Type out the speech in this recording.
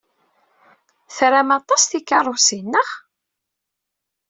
Tram aṭas tikeṛṛusin, naɣ?